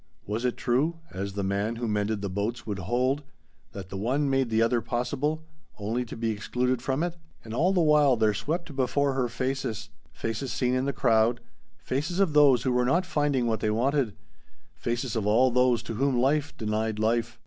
Was it true as the man who mended the boats would hold that the one made the other possible only to be excluded from it? And all the while there swept before her faces faces seen in the crowd, faces of those who were not finding what they wanted, faces of all those to whom life denied life.